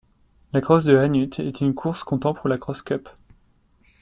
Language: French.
La cross de Hannut est une course comptant pour la Cross Cup.